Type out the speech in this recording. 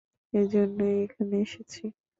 এজন্যই এখানে এসেছি।